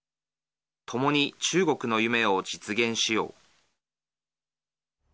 ともに中国の夢を実現しよう。